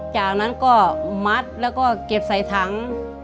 จากนั้นก็มัดแล้วก็เก็บใส่ถัง